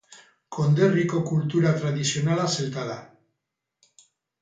Konderriko kultura tradizionala zelta da.